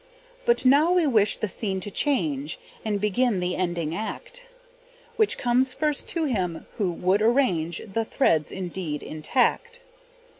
But now we wish the scene to change, And begin the ending act; Which comes first to him who would arrange The threads, indeed, intact.